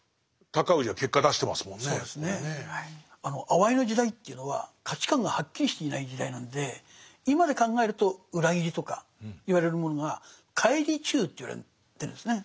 あわいの時代というのは価値観がはっきりしていない時代なんで今で考えると裏切りとか言われるものが「返り忠」と言われてるんですね。